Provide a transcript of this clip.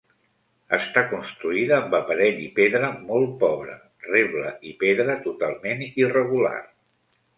Està construïda amb aparell i pedra molt pobre, reble i pedra totalment irregular.